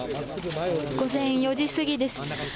午前４時過ぎです。